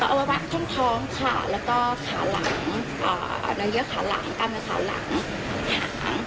เอาวะวะท่องท้องขาแล้วก็ขาหลังเนื้อเลี้ยขาหลังกล้ามในขาหลัง